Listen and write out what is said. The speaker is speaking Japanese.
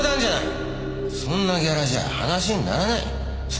そんなギャラじゃ話にならない。